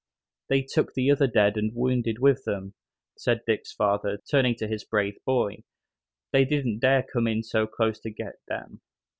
"They took the other dead and wounded with them," said Dick's father, turning to his brave boy, "they didn't dare come in so close to get them.